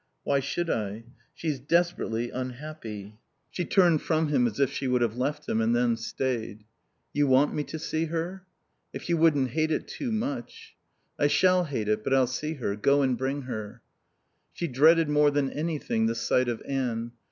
"Why should I?" "She's desperately unhappy." She turned from him as if she would have left him, and then stayed. "You want me to see her?" "If you wouldn't hate it too much." "I shall hate it. But I'll see her. Go and bring her." She dreaded more than anything the sight of Anne.